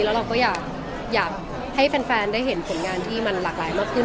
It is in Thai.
แล้วเราก็อยากให้แฟนได้เห็นผลงานที่มันหลากหลายมากขึ้น